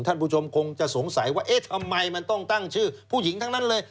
ท่านผู้ชมคงจะสงสัยว่าเอ๊ะทำไมมันต้องตั้งชื่อผู้หญิงทั้งนั้นเลย